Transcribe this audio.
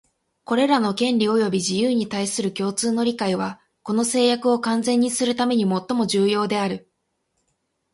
これらの権利及び自由に対する共通の理解は、この誓約を完全にするためにもっとも重要である